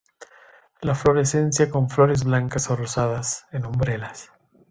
La inflorescencia con flores blancas o rosadas, en umbelas.